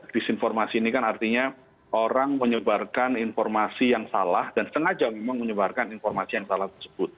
disinformasi ini kan artinya orang menyebarkan informasi yang salah dan sengaja memang menyebarkan informasi yang salah tersebut